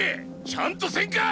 ちゃんとせんか！